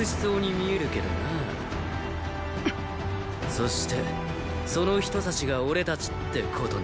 そしてその一刺しが俺たちってことね。